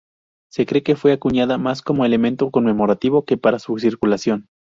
Se cree que fue acuñada más como elemento conmemorativo que para su circulación.